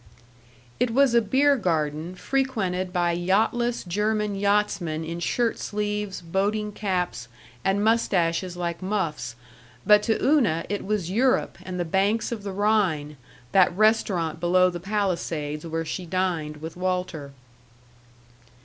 § 4 It was a beer garden frequented by yachtless German yachtsmen in shirt sleeves, boating caps, and mustaches like muffs, but to Una it was Europe and the banks of the Rhine, that restaurant below the Palisades where she dined with Walter.